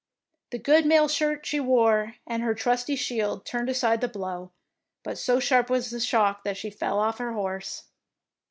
The good mail shirt she wore and her trusty shield turned aside the blow, but so sharp was the shock that she fell from her horse.